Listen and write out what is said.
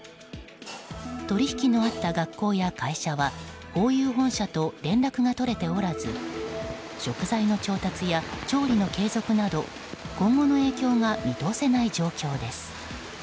取引のあった学校や会社はホーユー本社と連絡が取れておらず食材の調達や調理の継続など今後の影響が見通せない状況です。